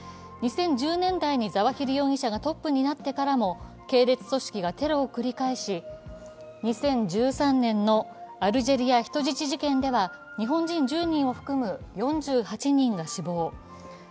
２０１０年代にザワヒリ容疑者がトップになってからも系列組織がテロを繰り返し、２０１３年のアルジェリア人質事件では日本人１０人を含む４８人が死亡。